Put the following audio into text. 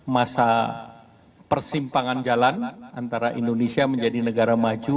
masa persimpangan jalan antara indonesia menjadi negara maju